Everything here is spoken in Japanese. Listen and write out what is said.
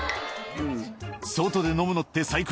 「外で飲むのって最高」